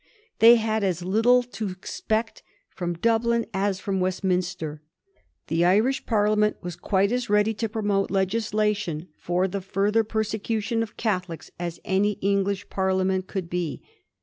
They had as little to expect fi^om Dublin as from Westminster. The Irish Parliam^it was quite as ready to promote legislation for the ftirther persecution of Catholics as any English Par liament could be.